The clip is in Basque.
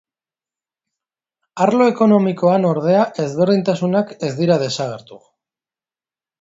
Arlo ekonomikoan, ordea, ezberdintasunak ez dira desagertu.